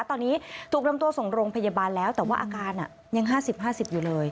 ตอนนี้ถูกนำตัวส่งโรงพยาบาลแล้วแต่ว่าอาการยัง๕๐๕๐อยู่เลย